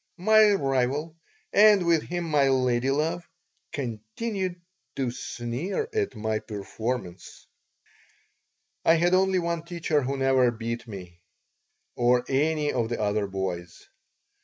My rival, and with him my lady love, continued to sneer at my performances I had only one teacher who never beat me, or any of the other boys.